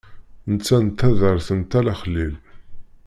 Netta n taddart n Tala Xlil.